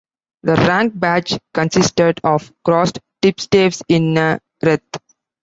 The rank badge consisted of crossed tipstaves in a wreath.